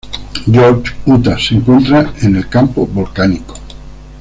George, Utah se encuentra en el campo volcánico.